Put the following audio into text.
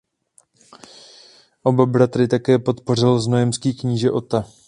Oba bratry také podpořil znojemský kníže Ota.